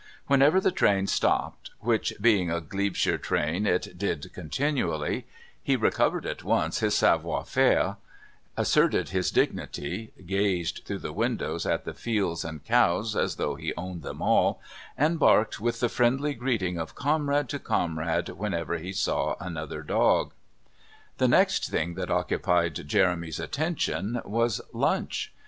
Whenever the train stopped (which, being a Glebeshire train, it did continually), he recovered at once his savoir faire, asserted his dignity, gazed through the windows at the fields and cows as though he owned them all, and barked with the friendly greeting of comrade to comrade whenever he saw another dog. The next thing that occupied Jeremy's attention was lunch.